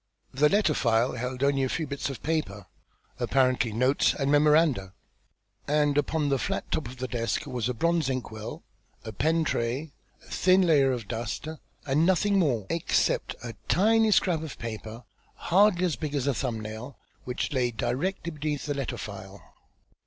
The letter file held only a few bits of paper, apparently notes and memoranda; and upon the flat top of the desk was a bronze ink well, a pen tray, a thin layer of dust and nothing more, except a tiny scrap of paper hardly as big as a thumb nail, which lay directly beneath the letter file.